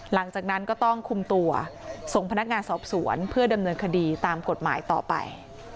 หลังจากนั้นก็ต้องคุมตัวส่งพนักงานสอบสวนเพื่อดำเนินคดีตามกฎหมายต่อไป